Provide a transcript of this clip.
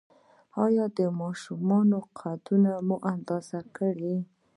ایا د ماشومانو قد مو اندازه کړی؟